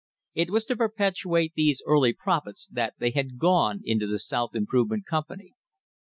It was to perpetuate these early profits that they had gone into the South Improvement Company.